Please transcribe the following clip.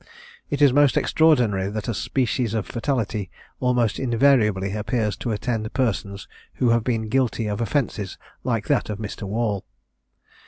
It is most extraordinary that a species of fatality almost invariably appears to attend persons who have been guilty of offences like that of Mr. Wall.